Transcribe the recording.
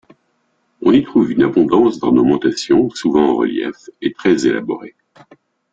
On y trouve une abondance d'ornementations souvent en relief et très élaborées.